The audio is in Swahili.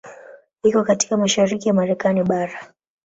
Iko katika mashariki ya Marekani bara.